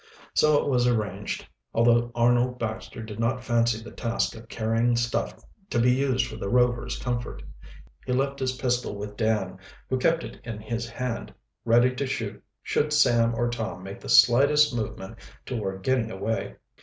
So it was arranged, although Arnold Baxter did not fancy the task of carrying stuff to be used for the Rovers' comfort. He left his pistol with Dan, who kept it in his hand, ready to shoot should Sam or Tom make the slightest movement toward getting away.